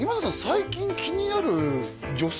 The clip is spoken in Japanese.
最近気になる女性